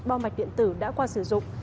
bom bạch điện tử đã qua sử dụng